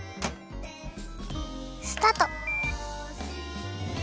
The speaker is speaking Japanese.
スタート。